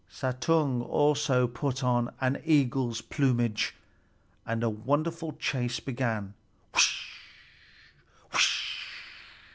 Suttung also put on an eagle's plumage, and a wonderful chase began.